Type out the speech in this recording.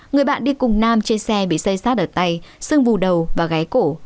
người bạn đi cùng nam trên xe bị xây sát ở tay xưng vù đầu và gái cổ